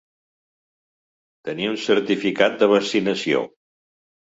Tenir un certificat de vaccinació.